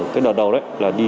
cái đợt đầu đấy là đi